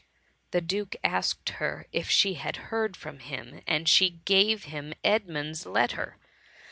^^^ The Duke asked her if she had heard from him, and she gave him Edmund^s letter.